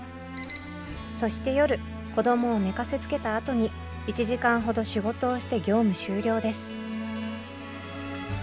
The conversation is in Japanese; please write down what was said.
そして夜子供を寝かせつけたあとに１時間ほど仕事をして業務終了です。